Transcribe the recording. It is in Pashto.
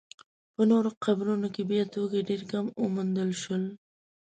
په نورو قبرونو کې بیا توکي ډېر کم وموندل شول.